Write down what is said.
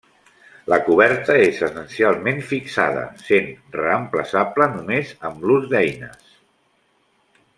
La coberta és essencialment fixada, sent reemplaçable només amb l'ús d'eines.